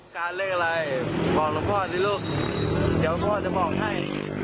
การเลขอะไรบอกหลวงพ่อสิลูกเดี๋ยวพ่อจะบอกให้